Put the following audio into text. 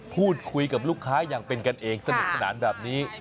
พูดคุยกับลูกค้าอย่างเป็นกันเองสนุกสนานแบบนี้